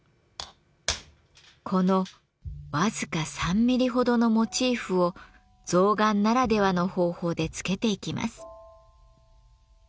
この僅か３ミリほどのモチーフを象がんならではの方法で付けていきます。